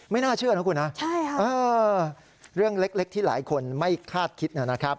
น่าเชื่อนะคุณนะเรื่องเล็กที่หลายคนไม่คาดคิดนะครับ